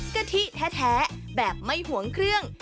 กะทิแท้แบบไม่ห่วงเครื่อง